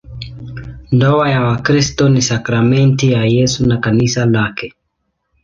Ndoa ya Wakristo ni sakramenti ya Yesu na Kanisa lake.